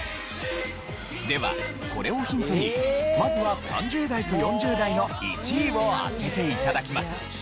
ではこれをヒントにまずは３０代と４０代の１位を当てて頂きます。